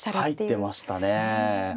入ってましたねはい。